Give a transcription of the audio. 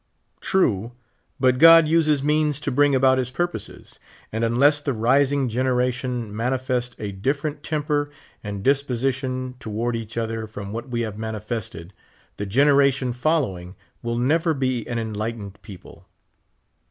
True, but God uses means to bring about his purpose ; and unless the rising generation manifest a different temper «nd disi)Osition toward each other from what we have manifested, the generation following will never l)e an enlightened people.